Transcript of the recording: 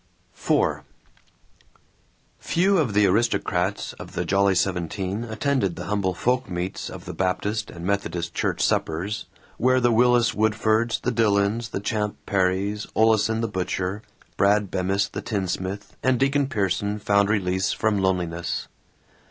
IV Few of the aristocrats of the Jolly Seventeen attended the humble folk meets of the Baptist and Methodist church suppers, where the Willis Woodfords, the Dillons, the Champ Perrys, Oleson the butcher, Brad Bemis the tinsmith, and Deacon Pierson found release from loneliness.